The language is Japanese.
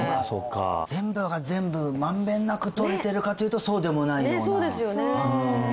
全部が全部まんべんなくとれてるかというとそうでもないようなねえ